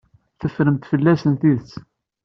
Teffremt fell-asen tidet.